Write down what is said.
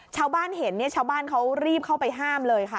ชาวบ้านเห็นก่อนเขารีบเข้าไปห้ามเลยค่ะ